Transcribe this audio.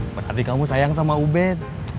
berarti kamu sayang sama ubed